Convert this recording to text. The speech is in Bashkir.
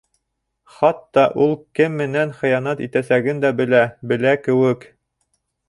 Хатта ул кем менән хыянат итәсәген дә белә... белә кеүек.